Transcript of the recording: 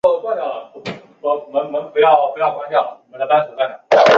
格拉茨附近圣拉德贡德是奥地利施蒂利亚州格拉茨城郊县的一个市镇。